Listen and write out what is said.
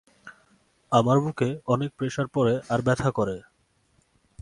আমার বুকে অনেক প্রেসার পরে আর ব্যথা করে।